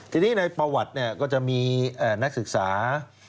ทีนี้ในประวัติก็จะมีนักศึกษา